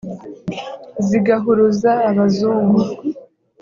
zigahuruza abazungu,